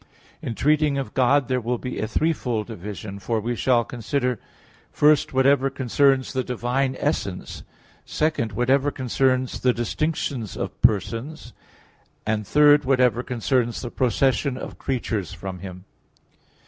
In treating of God there will be a threefold division, for we shall consider: (1) Whatever concerns the Divine Essence; (2) Whatever concerns the distinctions of Persons; (3) Whatever concerns the procession of creatures from Him.